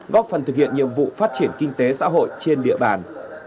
góp phần thực hiện nhiệm vụ phát triển kinh tế xã hội trên địa bàn